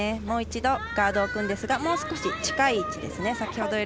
もう一度、ガードを置くんですがもう少し近い位置ですね。